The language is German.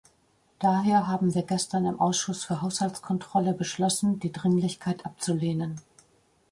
Daher haben wir gestern im Ausschuss für Haushaltskontrolle beschlossen, die Dringlichkeit abzulehnen.